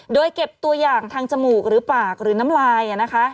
โดยเก็บตัวอย่างทางจมูกหรือปากหรือน้ำลาย